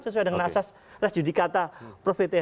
sesuai dengan asas res judikata profetnya